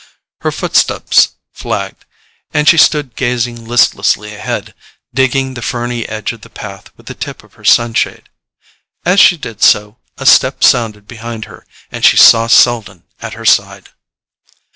Her footsteps flagged, and she stood gazing listlessly ahead, digging the ferny edge of the path with the tip of her sunshade. As she did so a step sounded behind her, and she saw Selden at her side.